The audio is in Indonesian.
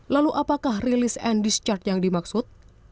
lalu apakah release and discharge yang dimaksud